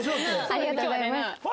ありがとうございます。